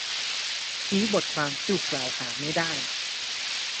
ชี้บทความที่ถูกกล่าวหาไม่ได้